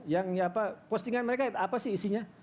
yang postingan mereka apa sih isinya